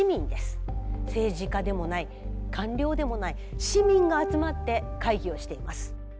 政治家でもない官僚でもない市民が集まって会議をしています。